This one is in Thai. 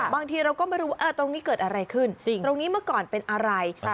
บางทีเราก็ไม่รู้ว่าตรงนี้เกิดอะไรขึ้นตรงนี้เมื่อก่อนเป็นอะไร